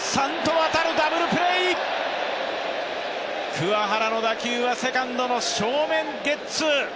桑原の打球はセカンドの正面、ゲッツー。